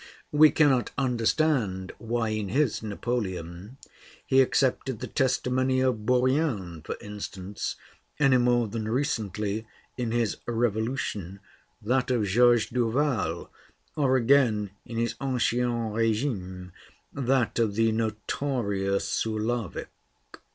We cannot understand why in his 'Napoleon' he accepted the testimony of Bourrienne, for instance, any more than recently, in his 'Revolution,' that of George Duval, or again, in his 'Ancien Régime,' that of the notorious Soulavic. M.